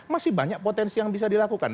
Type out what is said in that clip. masih banyak potensi yang bisa dilakukan